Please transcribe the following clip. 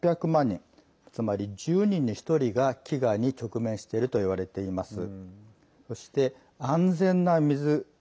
つまり１０人に１人が飢餓に直面しているといわれています。